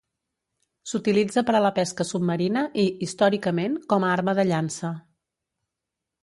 S'utilitza per a la pesca submarina i, històricament, com a arma de llança.